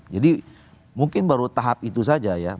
jadi mungkin baru tahap itu saja ya